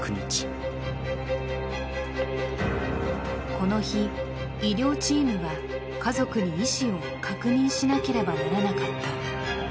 この日、医療チームは家族に意思を確認しなければならなかった。